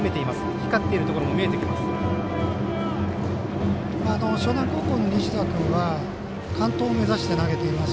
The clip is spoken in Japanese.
光っているところも見えています。